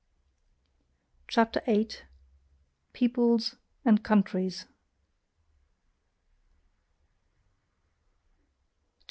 CHAPTER VIII. PEOPLES AND COUNTRIES 240.